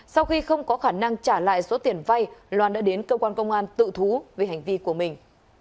sau khi không có khả năng trả lại số tiền vay loan đã đến cơ quan công an tự thú về hành vi của mình